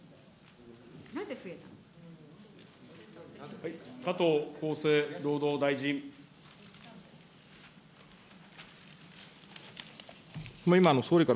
なぜ増えたのか。